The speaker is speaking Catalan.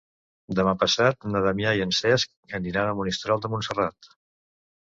Demà passat na Damià i en Cesc aniran a Monistrol de Montserrat.